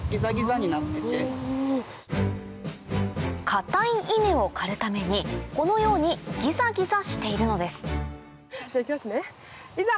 硬い稲を刈るためにこのようにギザギザしているのですいきますねいざ！